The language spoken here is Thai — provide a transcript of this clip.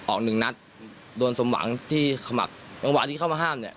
หนึ่งนัดโดนสมหวังที่ขมักจังหวะที่เข้ามาห้ามเนี่ย